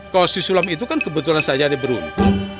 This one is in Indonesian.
kalau si sulam itu kan kebetulan saja ada beruntung